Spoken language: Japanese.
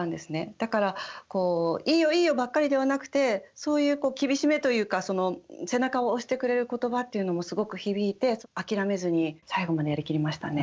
だからこう「いいよいいよ」ばっかりではなくてそういう厳しめというか背中を押してくれる言葉っていうのもすごく響いて諦めずに最後までやりきれましたね。